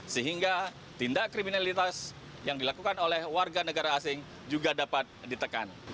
sehingga tindak kriminalitas yang dilakukan oleh warga negara asing juga dapat ditekan